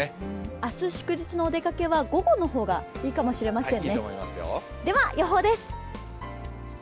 明日祝日のお出かけは午後の方がいいかもしれませんね。